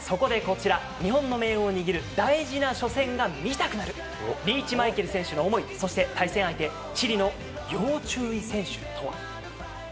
日本の命運を握る大事な初戦が見たくなるリーチマイケル選手の思いそして対戦相手チリの要注意選手とは。